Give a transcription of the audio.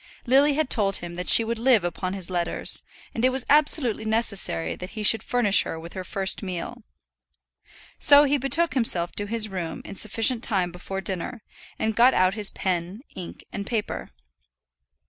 Lily had told him that she would live upon his letters, and it was absolutely necessary that he should furnish her with her first meal. So he betook himself to his room in sufficient time before dinner, and got out his pen, ink, and paper.